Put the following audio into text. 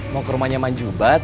mau ke rumahnya manjubat